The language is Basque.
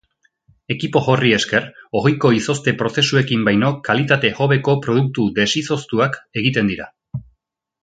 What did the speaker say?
Ekipo horri esker, ohiko izozte-prozesuekin baino kalitate hobeko produktu desizoztuak egiten dira.